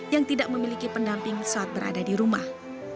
yang tidak memiliki pendamping saat berada di rumah